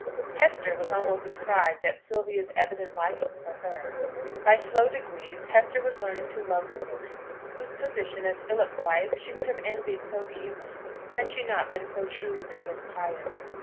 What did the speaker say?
Hester was almost surprised at Sylvia's evident liking for her. By slow degrees Hester was learning to love the woman, whose position as Philip's wife she would have envied so keenly had she not been so truly good and pious.